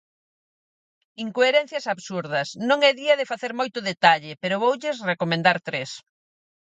Incoherencias absurdas, non é día de facer moito detalle, pero voulles recomendar tres.